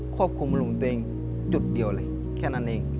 ควบคุมอารมณ์ตัวเองจุดเดียวเลยแค่นั้นเอง